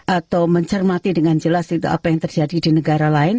atau mencermati dengan jelas itu apa yang terjadi di negara lain